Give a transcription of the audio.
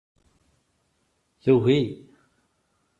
Tugi.